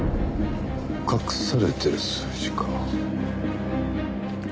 隠されてる数字か。